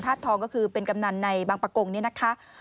ทองก็คือเป็นกำนันในบางประกงนี่นะคะ